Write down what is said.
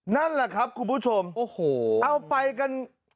นั่นแหละครับคุณผู้ชมโอ้โหเอาไปกัน